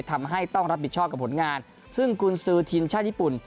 ทำให้ต้องรับผิดชอบกับผลงานซึ่งกุญสือทีมชาติญี่ปุ่น